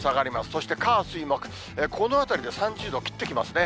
そして、火、水、木、このあたりで３０度を切ってきますね。